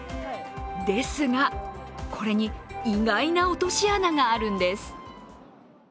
ですが、これに意外な落とし穴があるんです。